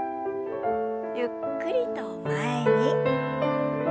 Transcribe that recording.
ゆっくりと前に。